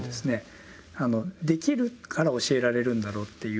できるから教えられるんだろうっていう。